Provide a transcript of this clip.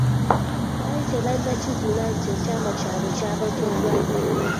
Baali tebannakizuula nti ekyama kyabwe kyabotoddwa dda.